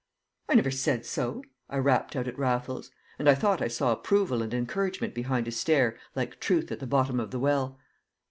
"I never said so," I rapped out at Raffles; and I thought I saw approval and encouragement behind his stare like truth at the bottom of the well.